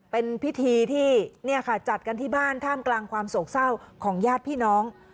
เป็นพิธีที่จัดกันที่บ้านท่ามกลางความโศกเศร้าของญาติพี่น้อง